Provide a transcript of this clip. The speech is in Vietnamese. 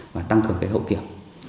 và tăng cường hậu kiểm